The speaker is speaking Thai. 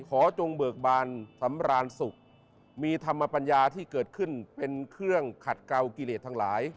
จงเบิกบานสำราญสุขมีธรรมปัญญาที่เกิดขึ้นเป็นเครื่องขัดเกากิเลสทั้งหลาย